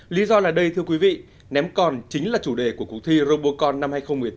lý do là đây thưa quý vị ném còn chính là chủ đề của cuộc thi robocon năm hai nghìn một mươi tám